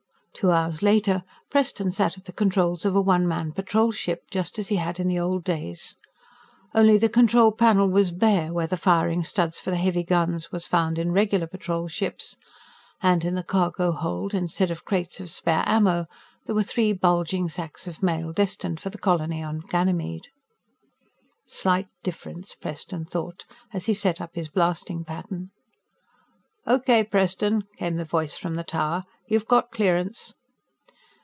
Two hours later, Preston sat at the controls of a one man patrol ship just as he had in the old days. Only the control panel was bare where the firing studs for the heavy guns was found in regular patrol ships. And in the cargo hold instead of crates of spare ammo there were three bulging sacks of mail destined for the colony on Ganymede. Slight difference, Preston thought, as he set up his blasting pattern. "Okay, Preston," came the voice from the tower. "You've got clearance."